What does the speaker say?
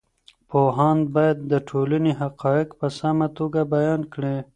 پوهاند باید د ټولنې حقایق په سمه توګه بیان کړي.